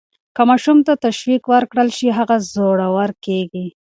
که ماشوم ته تشویق ورکړل شي، هغه زړور کیږي.